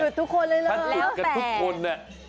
จุดทุกคนเลยเหรอฉันเกี่ยวกับทุกคนนะ